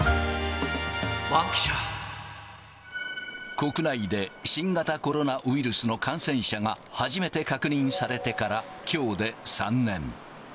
国内で新型コロナウイルスの感染者が初めて確認されてから、きょうで３年。